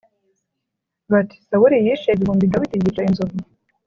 bati ‘sawuli yishe ibihumbi, dawidi yica inzovu’?”